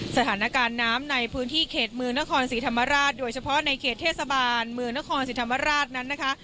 สถานการณ์น้ำในพื้นที่เขตเมืองนครศรีธรรมราชโดยเฉพาะในเขตเทศบาลเมืองนครศรีธรรมราชนั้นนะคะ